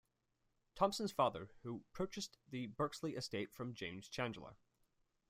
Tompson's father who purchased the Bexley estate from James Chandler.